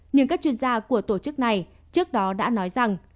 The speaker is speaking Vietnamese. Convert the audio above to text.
nhưng các chuyên gia của tổ chức này trước đó đã nói rằng